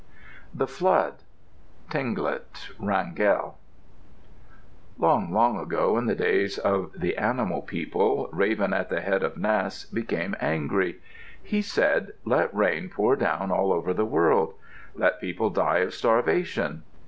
THE FLOOD Tlingit (Wrangell) Long, long ago, in the days of the animal people, Raven at the head of Nass became angry. He said, "Let rain pour down all over the world. Let people die of starvation."